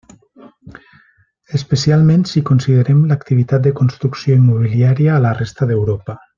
Especialment si considerem l'activitat de construcció immobiliària a la resta d'Europa.